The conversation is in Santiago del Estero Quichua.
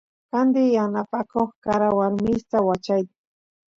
candi yanapakoq karawarmista wachay